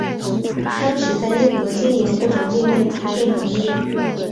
当时在英国经营各种另类培训行业。